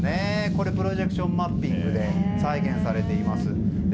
プロジェクションマッピングで再現されています。